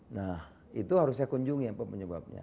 nah itu harus saya kunjungi apa penyebabnya